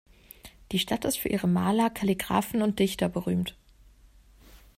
Die Stadt ist für ihre Maler, Kalligraphen und Dichter berühmt.